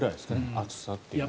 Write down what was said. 暑さというのは。